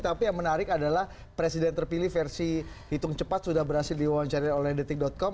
tapi yang menarik adalah presiden terpilih versi hitung cepat sudah berhasil diwawancari oleh detik com